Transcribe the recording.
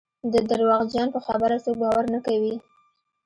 د درواغجن په خبره څوک باور نه کوي.